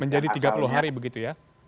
menjadi tiga puluh hari begitu ya